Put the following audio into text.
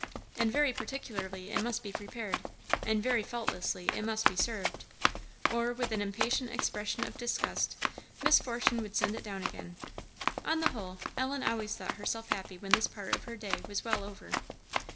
And very particularly it must be prepared, and very faultlessly it must be served, or, with an impatient expression of disgust, Miss Fortune would send it down again. On the whole, Ellen always thought herself happy when this part of her day was well over.